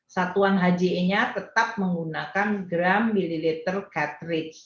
satuan hge nya tetap menggunakan gram mililiter cartridge